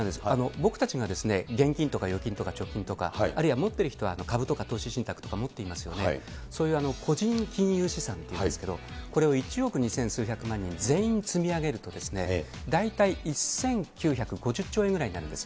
僕たちが現金とか預金とか貯金とか、あるいは持ってる人は株とか投資信託とか持っていますので、そういう個人金融資産っていうんですけど、これを一億二千数百万人、全員が積み上げると、大体１９５０兆円ぐらいになるんです。